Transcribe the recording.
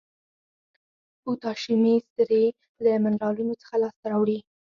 پوتاشیمي سرې له منرالونو څخه لاس ته راوړي.